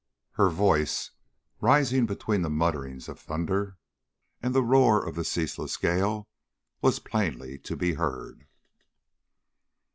Her voice, rising between the mutterings of thunder and the roar of the ceaseless gale, was plainly to be heard.